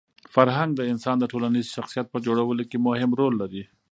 فرهنګ د انسان د ټولنیز شخصیت په جوړولو کي مهم رول لري.